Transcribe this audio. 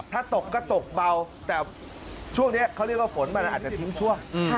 ถ้าตกก็ตกเบาแต่ช่วงนี้เขาเรียกว่าฝนมันอาจจะทิ้งช่วง